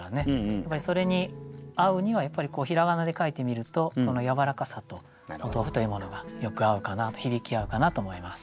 やっぱりそれに合うにはひらがなで書いてみるとこのやわらかさとお豆腐というものがよく合うかなと響き合うかなと思います。